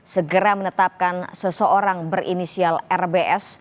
segera menetapkan seseorang berinisial rbs